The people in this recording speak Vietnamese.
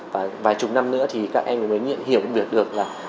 và vài chục năm nữa thì các em mới hiểu được là